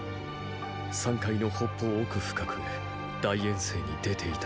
山界の北方奥深くへ大遠征に出ていたのだ。